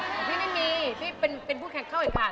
ส่วนพี่ไม่มีเป็นผู้แคร่งเขาให้ผ่าน